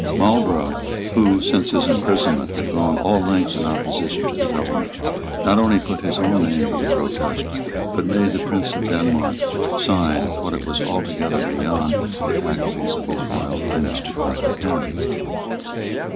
Marlborough, who, since his imprisonment, had gone all lengths in opposition to the government, not only put his own name to the protest, but made the Prince of Denmark sign what it was altogether beyond the faculties of His Royal Highness to comprehend.